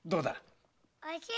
おいしい！